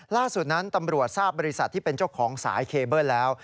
ล่าสุดนั้นตำรวจทราบบริษัทที่เป็นเจ้าของสายเคเบิ้ลแล้ว